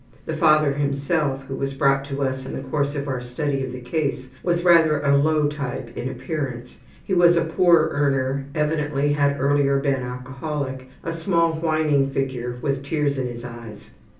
The father himself, who was brought to us in the course of our study of the case, was rather a low type in appearance. He was a poor earner, evidently had earlier been alcoholic, a small whining figure with tears in his eyes.